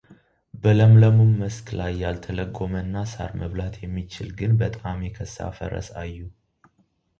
በለምለሙም መስክ ላይ ያልተለጎመና ሳር መብላት የሚችል ግን በጣም የከሳ ፈረስ አዩ፡፡